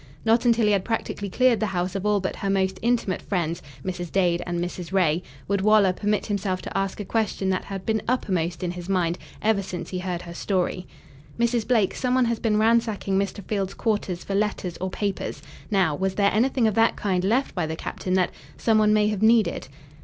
Not until he had practically cleared the house of all but her most intimate friends, Mrs. Dade and Mrs. Ray, would Waller permit himself to ask a question that had been uppermost in his mind ever since he heard her story. "Mrs. Blake, someone has been ransacking Mr. Field's quarters for letters or papers. Now, was there anything of that kind left by the captain that someone may have needed?"